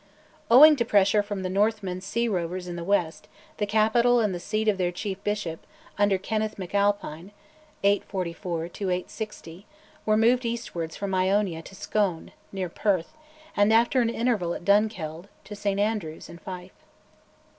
Owing to pressure from the Northmen sea rovers in the west, the capital and the seat of the chief bishop, under Kenneth MacAlpine (844 860), were moved eastwards from Iona to Scone, near Perth, and after an interval at Dunkeld, to St Andrews in Fife.